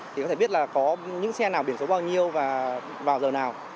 thì có thể biết là có những xe nào biển số bao nhiêu và vào giờ nào